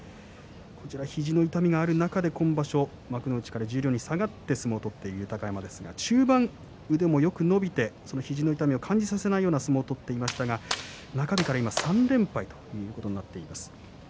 肘の痛みがある中で今場所、幕内から十両に下がって相撲を取っている豊山ですが中盤、腕もよく伸びて肘の痛みを感じさせないような相撲を取っていましたが中日から３連敗となっています。